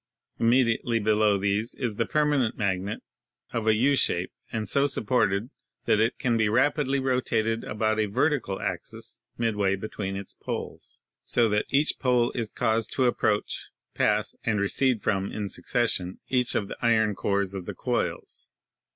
Immediately below these is the permanent mag net, of a U shape and so supported that it can be rapidly rotated about a vertical axis midway between its poles, so that each pole is caused to approach, pass and recede from in succession each of the iron cores of the coils.